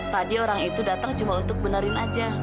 tadi orang itu datang cuma untuk benerin aja